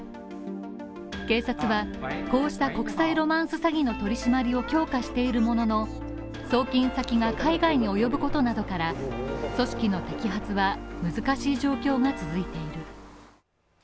警察は、こうした国際ロマンス詐欺の取り締まりを強化しているものの、送金先が海外に及ぶことなどから、組織の摘発は難しい状況が続いている。